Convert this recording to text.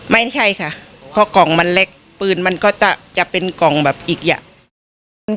ไม่ใช่ค่ะเพราะกล่องมันเล็กปืนมันก็จะเป็นกล่องแบบอีกอย่าง